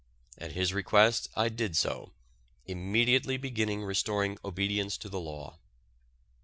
At his request I did so, immediately beginning restoring obedience to the law.